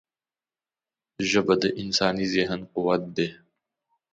ژبه د انساني ذهن قوت ده